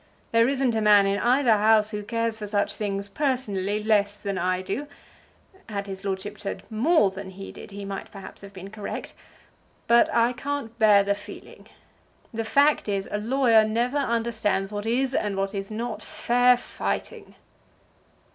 There isn't a man in either House who cares for such things, personally, less than I do;" had his lordship said "more than he did," he might, perhaps, have been correct; "but I can't bear the feeling. The fact is, a lawyer never understands what is and what is not fair fighting."